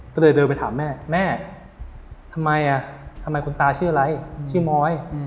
ก็เลยเดินไปถามแม่แม่ทำไมคุณตาชื่ออะไรชื่อม้อย